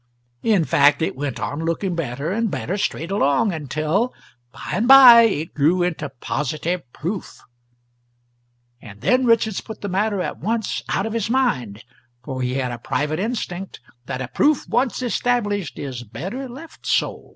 In fact it went on looking better and better, straight along until by and by it grew into positive proof. And then Richards put the matter at once out of his mind, for he had a private instinct that a proof once established is better left so.